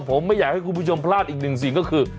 ผมไม่อยากให้คุณผู้ชมพลาดอีกหนึ่งสิ่งก็คือ